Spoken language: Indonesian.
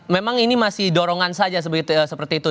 memang ini masih dorongan saja seperti itu